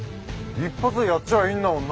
一発でやっちゃえばいいんだもんな！